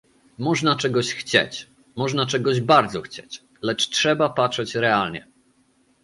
Można czegoś chcieć - można czegoś bardzo chcieć - lecz trzeba patrzeć realnie